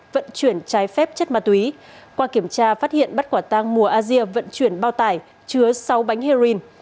vận chuyển trái phép chất ma túy qua kiểm tra phát hiện bắt quả tang mùa asia vận chuyển bao tải chứa sáu bánh heroin